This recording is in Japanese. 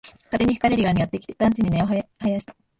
風に吹かれるようにやってきて、団地に根を生やした